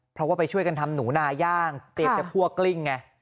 เพราะว่าไปช่วยกันทำหนูนาย่างเตรียมจะคั่วกลิ้งไง